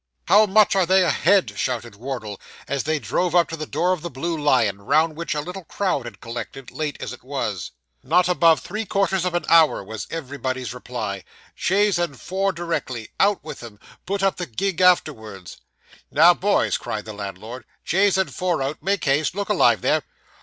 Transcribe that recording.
'How much are they ahead?' shouted Wardle, as they drove up to the door of the Blue Lion, round which a little crowd had collected, late as it was. 'Not above three quarters of an hour,' was everybody's reply. 'Chaise and four directly! out with 'em! Put up the gig afterwards.' 'Now, boys!' cried the landlord 'chaise and four out make haste look alive there!